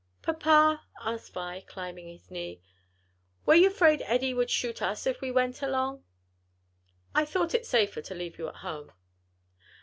"Papa," asked Vi, climbing his knee, "were you 'fraid Eddie would shoot us if we went along?" "I thought it safer to leave you at home."